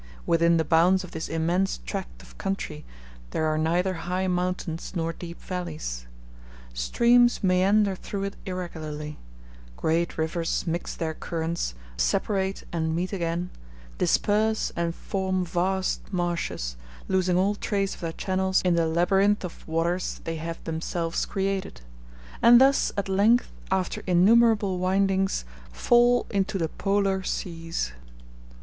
Within the bounds of this immense tract of country there are neither high mountains nor deep valleys. Streams meander through it irregularly: great rivers mix their currents, separate and meet again, disperse and form vast marshes, losing all trace of their channels in the labyrinth of waters they have themselves created; and thus, at length, after innumerable windings, fall into the Polar Seas.